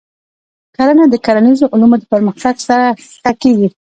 کرنه د کرنیزو علومو د پرمختګ سره ښه کېږي.